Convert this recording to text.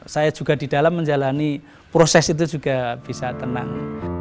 saya juga di dalam menjalani proses itu juga bisa tenang